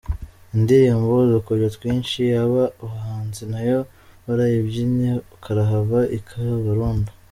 Indirimbo ’Udukoryo twinshi’ y’aba bahanzi nayo barayibyinnye karahava i Kabarondo.